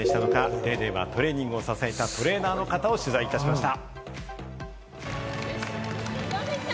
『ＤａｙＤａｙ．』はトレーニングを支えたトレーナーの方を取材いたしました。